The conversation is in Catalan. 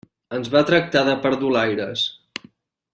Ens va tractar de perdulaires.